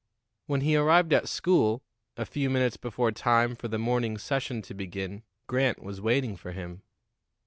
When he arrived at school, a few minutes before time for the morning session to begin, Grant was waiting for him.